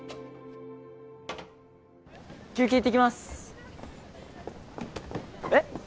休憩行ってきますえっ？